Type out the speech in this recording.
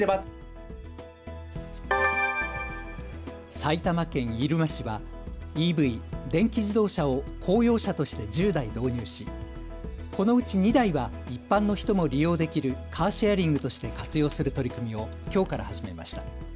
埼玉県入間市はＥＶ・電気自動車を公用車として１０台導入しこのうち２台は一般の人も利用できるカーシェアリングとして活用する取り組みをきょうから始めました。